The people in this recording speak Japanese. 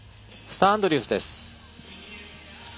スター・アンドリュースです。